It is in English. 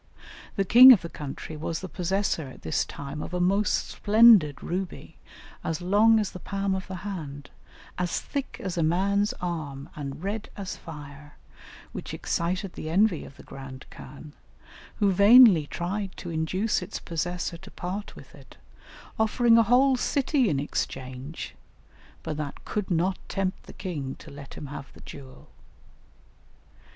The king of the country was the possessor at this time of a most splendid ruby as long as the palm of the hand, as thick as a man's arm, and red as fire, which excited the envy of the grand khan, who vainly tried to induce its possessor to part with it, offering a whole city in exchange, but that could not tempt the King to let him have the jewel.